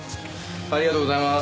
ありがとうございます。